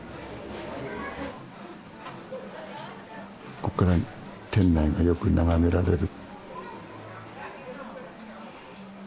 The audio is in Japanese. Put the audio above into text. ここから店内がよく眺められる。